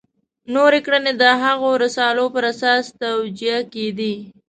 نورې کړنې د هغو رسالو پر اساس توجیه کېدې.